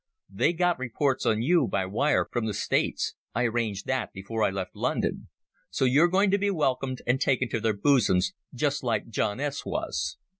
They got reports on you by wire from the States—I arranged that before I left London. So you're going to be welcomed and taken to their bosoms just like John S. was.